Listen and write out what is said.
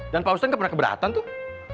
dan pak ustadz nggak pernah keberatan tuh